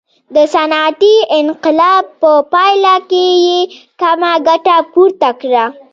د صنعتي انقلاب په پایله کې یې کمه ګټه پورته کړه.